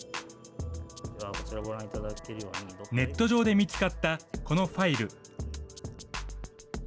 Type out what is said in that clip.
ネット上で見つかったこのファイル。